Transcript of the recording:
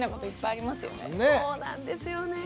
そうなんですよね。